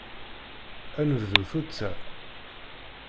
Ad nebdu tuta?